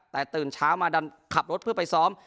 แต่ตื่นเช้ามาดันขับรถเพื่อไปซ้อม